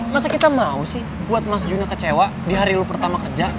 masa kita mau sih buat mas juna kecewa di hari lu pertama kerja